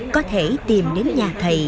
có thể tìm đến nhà thầy